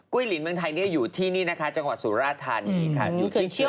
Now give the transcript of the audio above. กุ้ยหลีนเมืองไทยอยู่ที่นี่นะคะจังหวะสุรธารณี